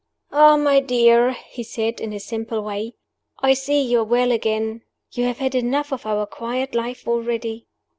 "Ah, my dear," he said, in his simple way, "I see you are well again! You have had enough of our quiet life already."